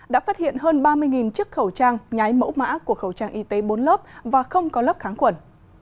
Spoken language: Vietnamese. đã phát hiện hơn ba mươi chiếc khẩu trang nhái mẫu mã của khẩu trang y tế bốn lớp và không có lớp kháng quẩn